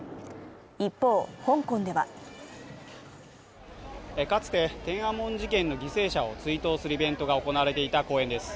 一方、香港ではかつて天安門事件の犠牲者を追悼するイベントが行われていた公園です。